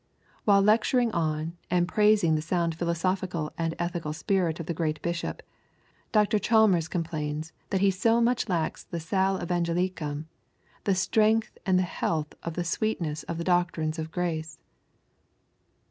While lecturing on and praising the sound philosophical and ethical spirit of the great bishop, Dr. Chalmers complains that he so much lacks the sal evangelicum, the strength and the health and the sweetness of the doctrines of grace.